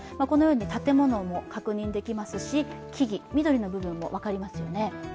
このように建物も確認できますし、木々、緑の部分も分かりますよね。